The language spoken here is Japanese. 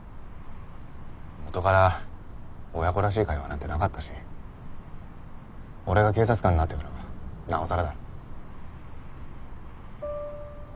元から親子らしい会話なんて無かったし俺が警察官になってからは尚更だ。